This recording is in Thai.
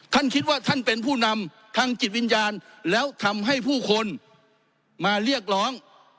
ท่านคิดว่าท่านเป็นผู้นำทางจิตวิญญาณแล้วทำให้ผู้คนมาเรียกร้อง